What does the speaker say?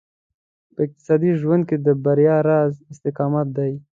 په اقتصادي ژوند کې د بريا راز استقامت دی.